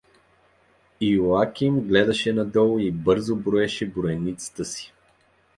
Иоаким гледаше надолу и бързо броеше броеницата си.